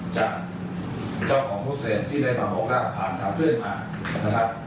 จากเจ้าของผู้เสียงที่ได้บางพอกร่าวภานค่ะพรุ่งมา